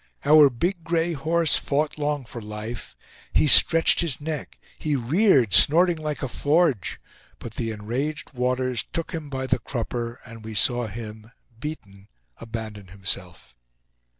Our big gray horse fought long for life. He stretched his neck, he reared, snorting like a forge. But the enraged waters took him by the crupper, and we saw him, beaten, abandon himself.